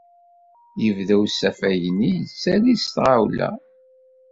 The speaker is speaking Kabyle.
Yebda usafag-nni yettali s tɣawla.